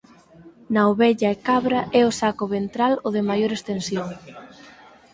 Na ovella e cabra é o saco ventral o de maior extensión.